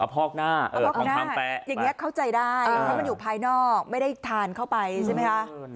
พอกหน้าอย่างนี้เข้าใจได้เพราะมันอยู่ภายนอกไม่ได้ทานเข้าไปใช่ไหมคะ